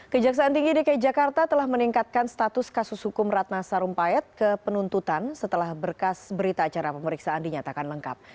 kejaksaan tinggi dki jakarta telah meningkatkan status kasus hukum ratna sarumpayat ke penuntutan setelah berkas berita acara pemeriksaan dinyatakan lengkap